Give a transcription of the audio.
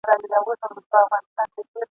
هر سړي ته خپله ورځ او قسمت ګوري !.